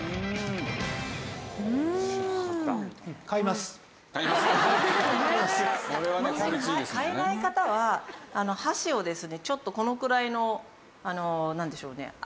買えない方は箸をですねちょっとこのくらいのなんでしょうね